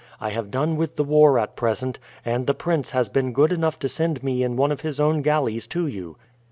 I have done with the war at present, and the prince has been good enough to send me in one of his own galleys to you."